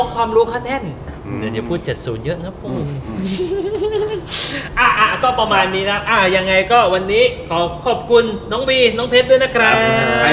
คือถ้าพูดอย่างเนี้ย